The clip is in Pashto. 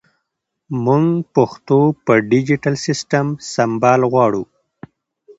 مونږ پښتو په ډیجېټل سیسټم سمبال غواړو